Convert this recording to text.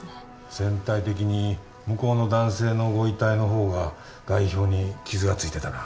全体的に向こうの男性のご遺体の方が外表に傷が付いてたな。